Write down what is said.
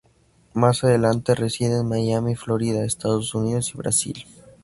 Más adelante reside en Miami, Florida, Estados Unidos y Brasil.